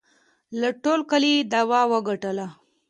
له ټول کلي یې دعوه وگټله